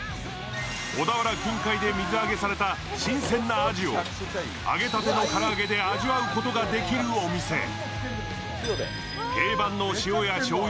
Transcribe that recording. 小田原近海で水揚げされた新鮮なあじを揚げたての唐揚げで味わうことができるお店。